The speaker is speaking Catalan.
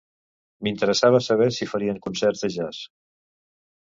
M'interessava saber si farien concerts de jazz.